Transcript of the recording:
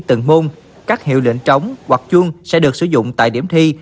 từng môn các hiệu lệnh trống hoặc chung sẽ được sử dụng tại điểm thi